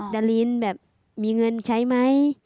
ดารินแบบมีเงินใช้ไหม